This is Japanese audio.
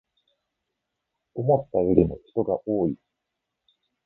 思ったよりも人が多い